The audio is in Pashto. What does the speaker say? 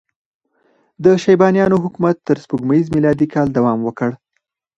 د شیبانیانو حکومت تر سپوږمیز میلادي کاله دوام وکړ.